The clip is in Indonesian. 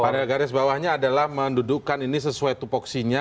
pada garis bawahnya adalah mendudukan ini sesuai topoksinya